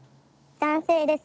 男性です。